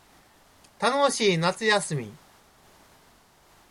楽しい夏休み